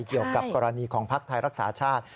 เกี่ยวกับกรณีของภักดิ์ไทยรักษาชาติ